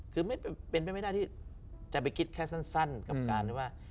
คือเป็นไปไม่ได้ที่จะไปคิดแค่สั้นกับการว่า